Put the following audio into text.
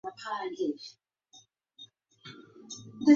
Alexander Whitaker converted Pocahontas to Christianity during her captivity.